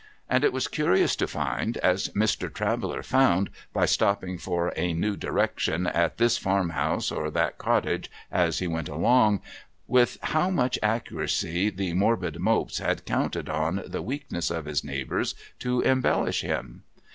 And it was curious to find, as Mr. Traveller found by stopping for a new direction at this farm house or at that cottage as he went along, with how much accuracy the morbid Mopes had counted on S 258 TOM TIDDLER'S GROUND the weakness of his neighbours to embellish him.